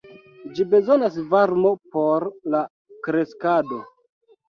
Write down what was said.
Ĝi bezonas varmon por la kreskado.